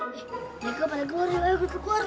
eh gue pada goreng gue ke goreng